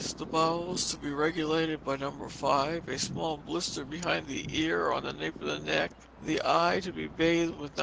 The bowels to be regulated by No. 5, a small blister behind the ear or on the nape of the neck the eye to be bathed with No.